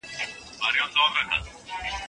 د دوستانو له پوښتني پرته بايد پرېکړه ونه سي.